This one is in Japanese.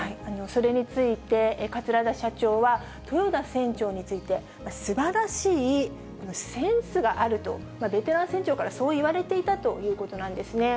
それについて、桂田社長は、豊田船長について、すばらしいセンスがあると、ベテラン船長からそう言われていたということなんですね。